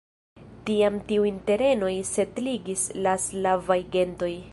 Tiam tiujn terenoj setligis la slavaj gentoj.